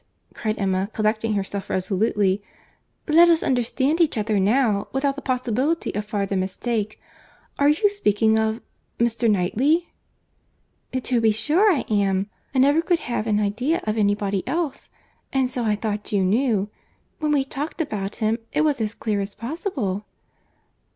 cried Emma, collecting herself resolutely—"Let us understand each other now, without the possibility of farther mistake. Are you speaking of—Mr. Knightley?" "To be sure I am. I never could have an idea of any body else—and so I thought you knew. When we talked about him, it was as clear as possible."